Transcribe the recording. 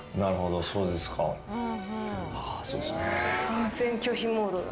完全拒否モードだ。